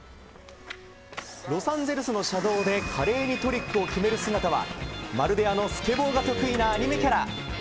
ロサンゼルスの車道で華麗にトリックを決める姿はまるで、あのスケボーが得意なアニメキャラ。